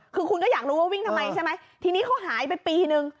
คือคุณก็อยากรู้ว่าวิ่งทำไมใช่ไหมทีนี้เขาหายไปปีนึง